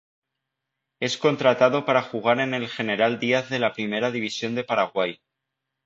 Es contratado para jugar en el General Díaz de la Primera División de Paraguay.